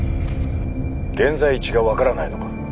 現在地が分からないのか？